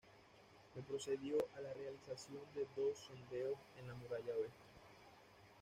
Se procedió a la realización de dos sondeos en la muralla Oeste.